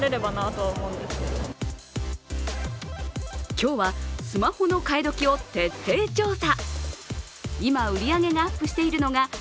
今日はスマホの替えどきを徹底調査。